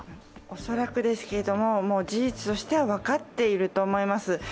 恐らくですけれども、事実としては分かっていると思います。